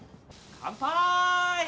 乾杯！